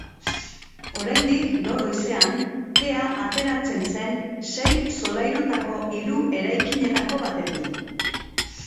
Oraindik, gaur goizean, kea ateratzen zen sei solairutako hiru eraikinetako batetik.